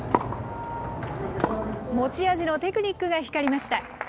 持ち味のテクニックが光りました。